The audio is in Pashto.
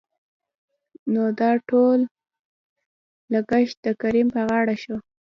نو دا ټول لګښت دکريم په غاړه شو.